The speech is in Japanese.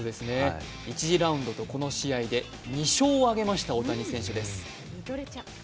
１次ラウンドとこの試合で２勝を挙げました大谷選手です。